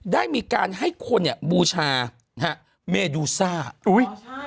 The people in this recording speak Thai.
ได้มีการให้คนเนี่ยบูชานะฮะเมดูซ่าอุ้ย